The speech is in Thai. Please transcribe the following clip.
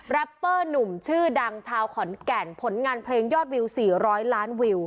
เปอร์หนุ่มชื่อดังชาวขอนแก่นผลงานเพลงยอดวิว๔๐๐ล้านวิว